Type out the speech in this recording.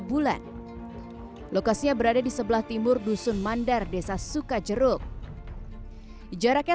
bulan lokasinya berada di sebelah timur dusun mandar desa sukajeruk jaraknya